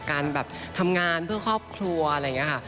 การแบบทำงานเพื่อครอบครัวอะไรอย่างนี้ค่ะ